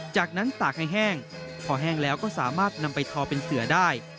จากนั้นตากให้แห้งพอแห้งแล้วก็สามารถนำไปทอเป็นเสือได้